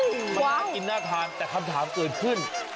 มันน่ากินน่าทานแต่คำถามเกิดขึ้น